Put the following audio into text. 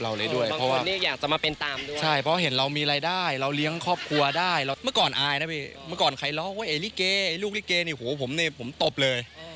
เราก็ต้องบอกว่าไอ้ลิเกย์ไอ้ลูกลิเกย์นี้ผมตบเลย